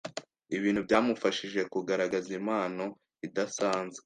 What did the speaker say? ibintu byamufashije kugaragaza impano idasanzwe